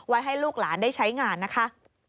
ให้ลูกหลานได้ใช้งานนะคะ